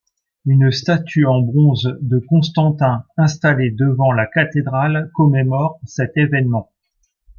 Une statue en bronze de Constantin installée devant la cathédrale commémore cet événement.